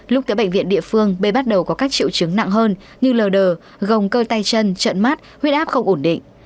lúc tới bệnh viện địa phương bê bắt đầu có các triệu chứng nặng hơn như lờ đờ gồng cơi tay chân trận mắt huyết áp không ổn định